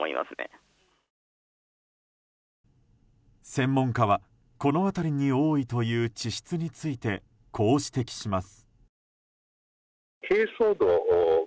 専門家は、この辺りに多いという地質についてこう指摘します。